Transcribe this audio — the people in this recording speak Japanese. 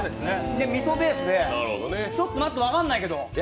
で、みそベースで、ちょっと分かんないけど。